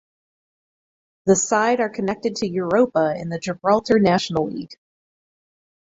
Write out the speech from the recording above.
The side are connected to Europa in the Gibraltar National League.